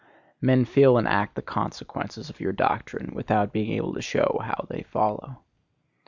Men feel and act the consequences of your doctrine without being able to show how they follow.